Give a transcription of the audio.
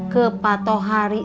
ke patuh hari